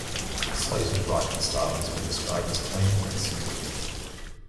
Sleator's writing style has been described as clean and simple.